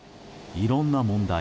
いろんな問題